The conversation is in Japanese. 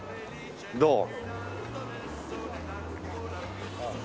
どう？